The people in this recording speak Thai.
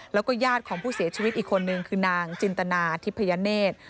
แล้วก็ญาติของผู้เสียชีวิตอีกคนนึงคือนางจินตนาทิพยเนธ